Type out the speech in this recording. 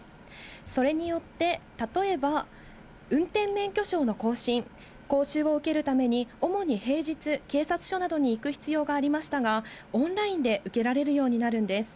それによって、例えば、運転免許証の更新、講習を受けるために、主に平日、警察署などに行く必要がありましたが、オンラインで受けられるようになるんです。